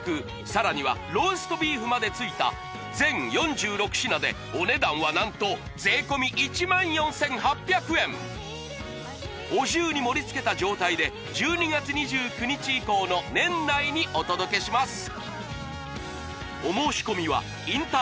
さらにはローストビーフまで付いた全４６品でお値段は何とお重に盛り付けた状態で１２月２９日以降の年内にお届けします